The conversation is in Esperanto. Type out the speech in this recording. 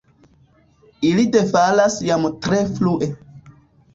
Ili defalas jam tre frue.